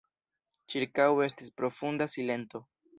Ĉirkaŭe estis profunda silento.